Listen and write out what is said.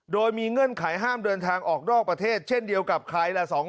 โดยมีเงื่อนไขห้ามเดินทางออกนอกประเทศเช่นเดียวกับใครล่ะ